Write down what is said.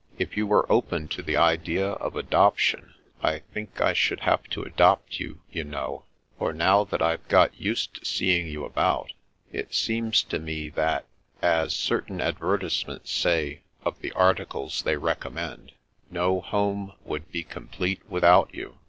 If you were open to the idea of adoption, I think I should have to adopt you, you know : for, now that I've got used to seeing you about, it seems to me that, as certain ad vertisements say of the articles they recommend, no home would be complete without you.